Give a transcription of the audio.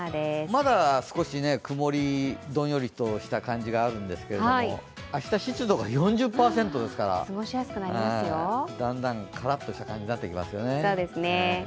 まだ少し、どんよりとした感じがあるんですけど明日、湿度が４０％ですからだんだんカラッとした感じになってきますね。